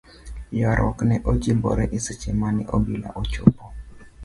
Yuaruok ne ojimbore e seche mane obila ochopo.